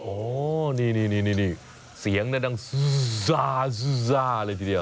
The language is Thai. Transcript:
โหนี่น่าดังซาเลยทีเดียว